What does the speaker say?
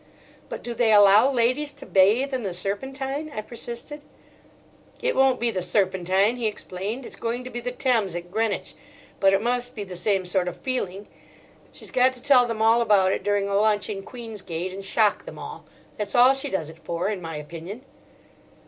"But do they allow ladies to bathe in the Serpentine?" I persisted. "It won't be the Serpentine," he explained. "It's going to be the Thames at Greenwich. But it must be the same sort of feeling. She's got to tell them all about it during a lunch in Queen's Gate, and shock them all. That's all she does it for, in my opinion."